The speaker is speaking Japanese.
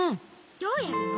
どうやるの？